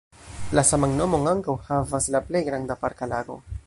La saman nomon ankaŭ havas la plej granda parka lago.